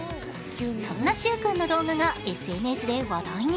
そんなしゅう君の動画がＳＮＳで話題に。